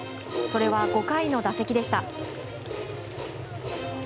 それは５回の打席でした。